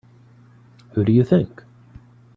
Who do you think?